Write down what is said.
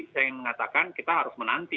saya ingin mengatakan kita harus menanti